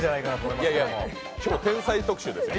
いやいや、今日、天才特集ですよ。